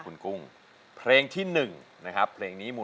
เปลี่ยนเพลงเก่งของคุณและข้ามผิดได้๑คำ